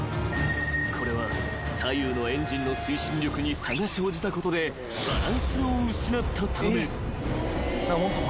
［これは左右のエンジンの推進力に差が生じたことでバランスを失ったため］